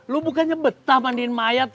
lu bukannya betah mandiin mayat